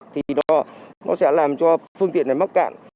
thì nó sẽ làm cho phương tiện này mắc cạn